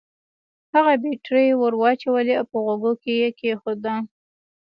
هغه بېټرۍ ور واچولې او په غوږو کې يې کېښوده.